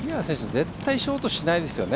絶対にショートしないですよね